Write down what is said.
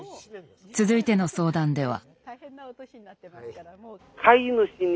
続いての相談では。